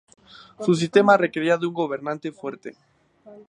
Su sistema requería de un gobernante fuerte.